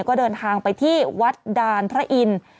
ก็เดินทางไปที่วัดดานพระอินทร์